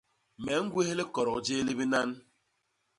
Me ñgwés likodok jéé li binan.